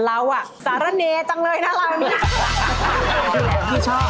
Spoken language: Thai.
แต่ล้าว่าสะระเน่จังเลยเราก็ไม่ชอบ